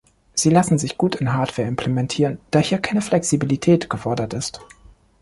Sie lassen sich gut in Hardware implementieren, da hier keine Flexibilität gefordert ist.